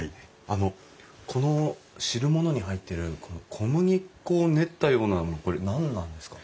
あのこの汁物に入ってるこの小麦粉を練ったようなのこれ何なんですか？